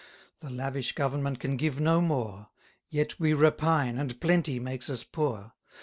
The lavish government can give no more: Yet we repine, and plenty makes us poor.